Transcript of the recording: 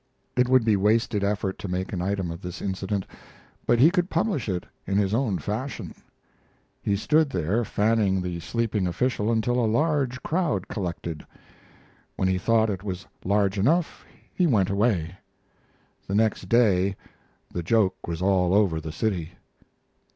It would be wasted effort to make an item of this incident; but he could publish it in his own fashion. He stood there fanning the sleeping official until a large crowd collected. When he thought it was large enough he went away. Next day the joke was all over the city.